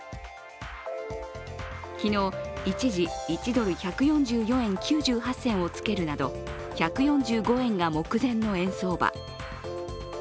昨日、一時１ドル＝１４４円９８銭をつけるなど１４５円が目前の円相場。